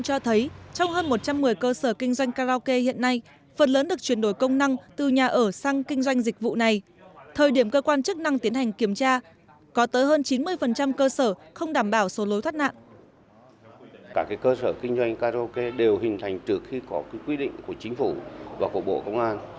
các cơ sở kinh doanh karaoke đều hình thành trước khi có quy định của chính phủ và của bộ công an